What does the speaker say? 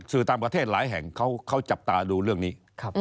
สื่อต่างประเทศหลายแห่งเขาจับตาดูเรื่องนี้